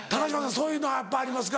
そういうのやっぱありますか？